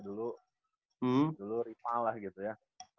dulu dulu rival lah gitu ya